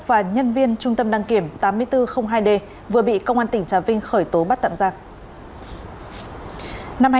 và nhân viên trung tâm đăng kiểm tám nghìn bốn trăm linh hai d vừa bị công an tỉnh trà vinh khởi tố bắt tạm giả